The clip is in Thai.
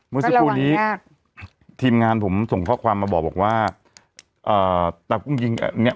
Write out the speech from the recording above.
เมื่อสักครู่นี้ทีมงานผมส่งข้อความมาบอกว่าเอ่อตากุ้งยิงเนี่ย